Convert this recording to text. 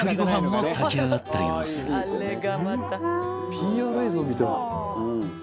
「ＰＲ映像みたい」